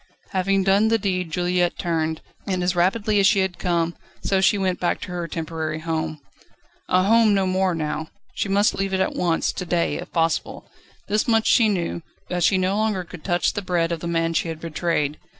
Having done the deed Juliette turned, and as rapidly as she had come, so she went back to her temporary home. A home no more now; she must leave it at once, to day if possible. This much she knew, that she no longer could touch the bread of the man she had betrayed.